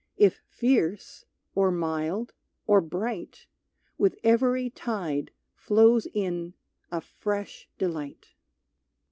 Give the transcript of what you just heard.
If fierce, or mild, or bright, With every tide flows in a fresh delight.